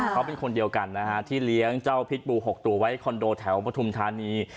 เขาเป็นคนเดียวกันนะฮะที่เลี้ยงเจ้าพิษบู๖ตัวไว้คอนโดแถวปฐุมธานี